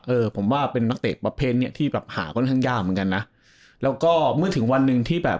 เออผมว่าเป็นนักเตะประเภทเนี้ยที่แบบหาค่อนข้างยากเหมือนกันนะแล้วก็เมื่อถึงวันหนึ่งที่แบบ